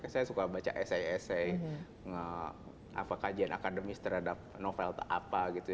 saya suka baca esai esai kajian akademis terhadap novel apa gitu